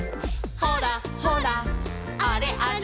「ほらほらあれあれ」